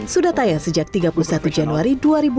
sudah tayang sejak tiga puluh satu januari dua ribu dua puluh